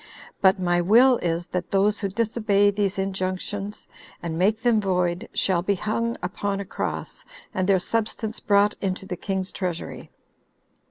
But my will is, that those who disobey these injunctions, and make them void, shall be hung upon a cross, and their substance brought into the king's treasury."